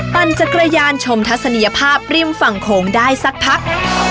ปั่นจักรยานชมทัศนียภาพริมฝั่งโขงได้สักพัก